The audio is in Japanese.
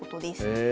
へえ。